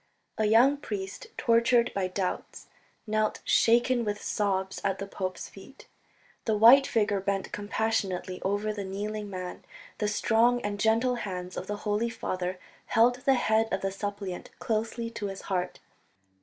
A young priest, tortured by doubts, knelt shaken with sobs at the pope's feet. The white figure bent compassionately over the kneeling man, the strong and gentle hands of the Holy Father held the head of the suppliant closely to his heart.